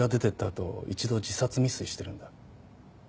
あと１度自殺未遂してるんだ。